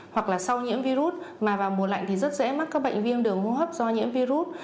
hoặc là sau nhiễm virus mà vào mùa lạnh thì rất dễ mắc các bệnh viêm đường hô hấp do nhiễm virus